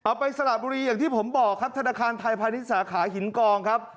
ไปสระบุรีอย่างที่ผมบอกครับธนาคารไทยพาณิชย์สาขาหินกองครับ